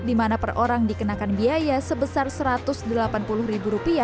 di mana per orang dikenakan biaya sebesar rp satu ratus delapan puluh